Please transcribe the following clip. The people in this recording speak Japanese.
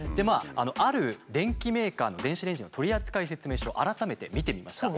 ある電機メーカーの電子レンジの取扱説明書改めて見てみました。